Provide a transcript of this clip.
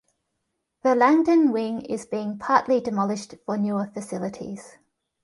The Langdon Wing is being partly demolished for newer facilities.